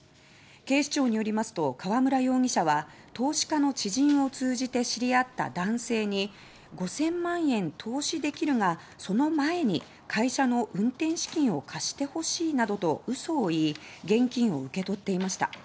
警視庁によりますと川村容疑者は投資家の知人を通じて知り合った男性に「５０００万円投資できるがその前に、会社の運転資金を貸してほしい」などとうそを言い現金を受け取っていました。